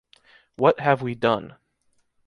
What have we done?